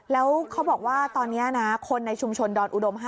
แล้วเขาบอกว่าตอนนี้นะคนในชุมชนดอนอุดม๕